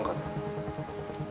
dan kamu harus memperbaiki itu dulu